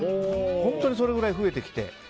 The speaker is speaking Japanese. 本当にそのくらい増えてきて。